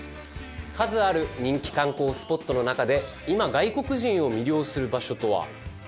数ある人気観光スポットの中で今外国人を魅了する場所とはどこなのか？